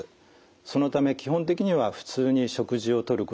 そのため基本的には普通に食事をとることができます。